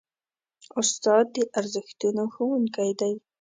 استاد د ارزښتونو ښوونکی دی.